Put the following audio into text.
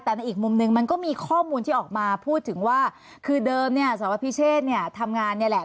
แต่ในอีกมุมนึงมันก็มีข้อมูลที่ออกมาพูดถึงว่าคือเดิมเนี่ยสวพิเชษเนี่ยทำงานเนี่ยแหละ